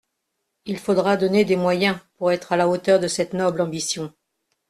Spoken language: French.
Il faudra donner des moyens pour être à la hauteur de cette noble ambition.